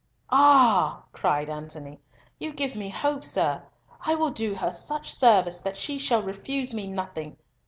"Ah!" cried Antony, "you give me hope, sir. I will do her such service that she shall refuse me nothing!